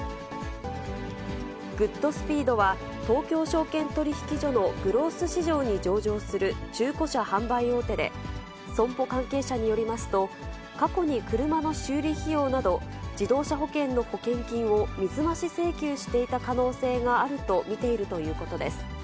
グッドスピードは、東京証券取引所のグロース市場に上場する中古車販売大手で、損保関係者によりますと、過去に車の修理費用など、自動車保険の保険金を水増し請求していた可能性があると見ているということです。